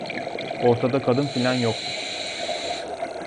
Ortada kadın filan yoktu.